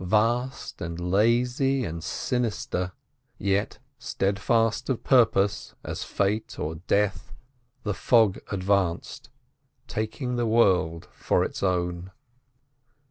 Vast and lazy and sinister, yet steadfast of purpose as Fate or Death, the fog advanced, taking the world for its own.